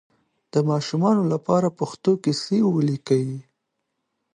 د ماشومانو لپاره پښتو کیسې ولیکئ.